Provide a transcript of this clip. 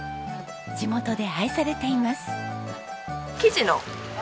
地元で愛されています。